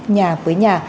nhà với nhà